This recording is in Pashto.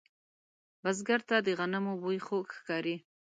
بزګر ته د غنمو بوی خوږ ښکاري